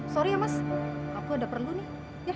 sorry ya mas aku ada perlu nih